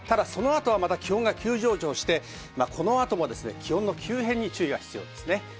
そのあと気温が急上昇して、このあと気温の急変に注意が必要です。